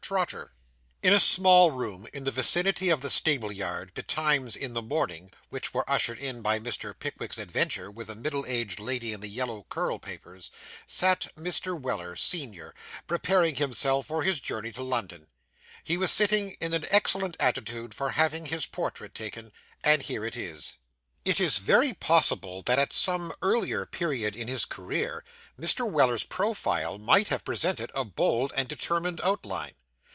TROTTER In a small room in the vicinity of the stableyard, betimes in the morning, which was ushered in by Mr. Pickwick's adventure with the middle aged lady in the yellow curl papers, sat Mr. Weller, senior, preparing himself for his journey to London. He was sitting in an excellent attitude for having his portrait taken; and here it is. It is very possible that at some earlier period of his career, Mr. Weller's profile might have presented a bold and determined outline.